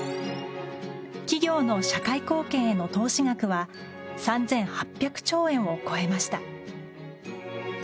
企業の社会貢献への投資額は３８００兆円を超えました。